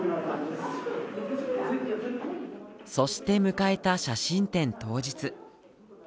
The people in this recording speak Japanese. そして迎えた写真展当日。